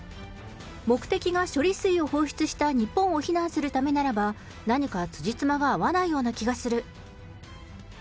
目的が処理水を放出した日本を非難するためならば、何かつじつまが合わないような気がする。